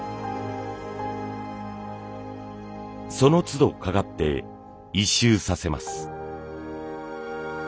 そのつどかがって１周させます。